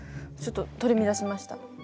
ちょっと取り乱しました。